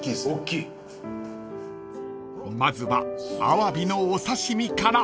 ［まずはアワビのお刺し身から］